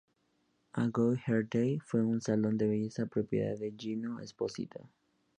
A Good Hair Day, fue un salón de belleza propiedad de Gino Esposito.